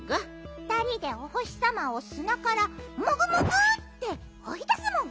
ふたりでおほしさまをすなからモグモグッっておいだすモグ。